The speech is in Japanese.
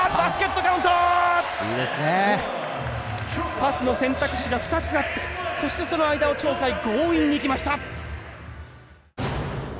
パスの選択肢が２つあってそしてその間を鳥海強引に行きました。